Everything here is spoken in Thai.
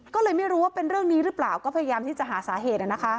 ก็เลยไม่รู้ว่าเป็นเรื่องนี้หรือเปล่าก็พยายามที่จะหาสาเหตุ